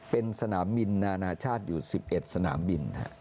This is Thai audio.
เป็นสนามบินนานาชาติอยู่๑๑สนามบิน